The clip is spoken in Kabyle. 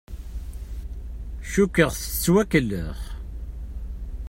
Cukkeɣ tettwakellex.